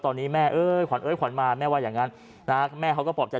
ตอนนี้แม่เอ้ยขวัญเอ้ยขวัญมาแม่ว่าอย่างนั้นนะแม่เขาก็ปลอบใจ